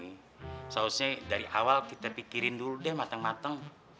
seharusnya dari awal kita pikirin dulu deh mateng mateng